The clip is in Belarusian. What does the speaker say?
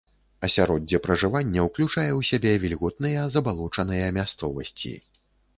Асяроддзе пражывання ўключае ў сябе вільготныя, забалочаныя мясцовасці.